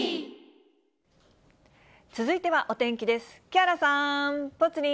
続いてはお天気です。